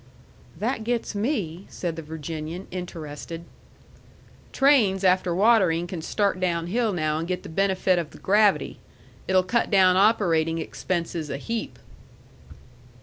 "That gets me," said the Virginian, interested. "Trains after watering can start down hill now and get the benefit of the gravity. It'll cut down operating expenses a heap."